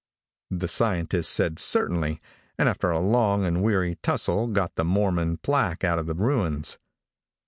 The scientist said certainly, and after a long and weary tussle got the Mormon placque out of the ruins.